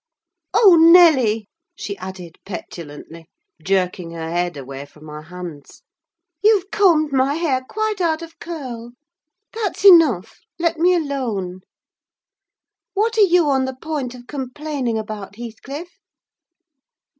"Oh, Nelly!" she added petulantly, jerking her head away from my hands, "you've combed my hair quite out of curl! That's enough; let me alone. What are you on the point of complaining about, Heathcliff?"